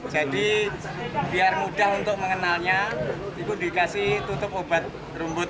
jadi biar mudah untuk mengenalnya itu dikasih tutup obat rumput